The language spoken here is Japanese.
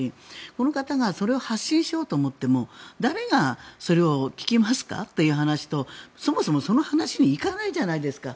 この方がそれを発信しようと思っても誰がそれを聞きますか？という話とそもそもその話に行かないじゃないですか。